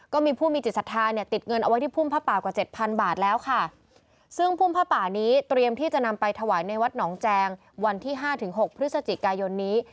ก็มีผู้มีจิตศรัทธาเนี่ยติดเงินเอาไว้ที่พุ่มผ้าป่ากว่าเจ็ดพันบาทแล้วค่ะซึ่งพุ่มผ้าป่านี้เตรียมที่จะนำไปถวายในวัดหนองแจงวันที่ห้าถึงหกพฤศจิกายนนี้